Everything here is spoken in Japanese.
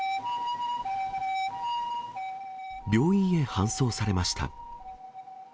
病院へ搬送されました。